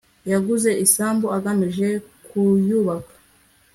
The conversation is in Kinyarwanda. yaguze isambu agamije kuyubaka